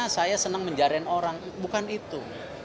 saya senang menjarain orang bukan itu